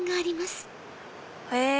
へぇ。